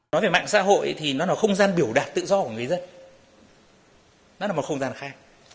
nói về mạng xã hội thì nó là không gian biểu đạt tự do của người dân nó là một không gian khác